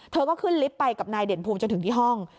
เธอก็ขึ้นลิฟต์ไปกับนายเด่นภูมิจนถึงที่ห้อง